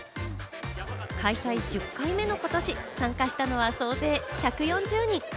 開催１０回目のことし、参加したのは総勢１４０人。